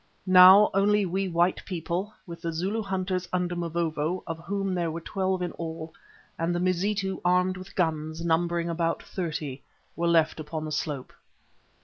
Now only we white people, with the Zulu hunters under Mavovo, of whom there were twelve in all, and the Mazitu armed with guns, numbering about thirty, were left upon the slope.